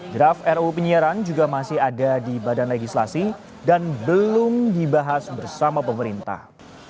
draft ruu penyiaran juga masih ada di badan legislasi dan belum dibahas bersama pemerintah